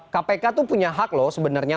kpk tuh punya hak loh sebenarnya